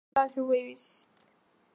海南大学主校区位于大道西侧。